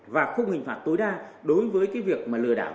và không hình phạt tối đa đối với việc lừa đảo